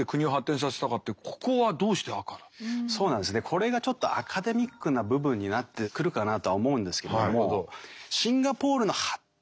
これがちょっとアカデミックな部分になってくるかなとは思うんですけれども。